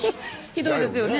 ひどいですよね